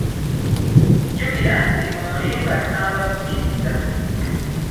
Jjukira nti omulimba asanga mukkiriza